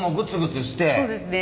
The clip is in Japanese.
そうですね。